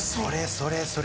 それそれ！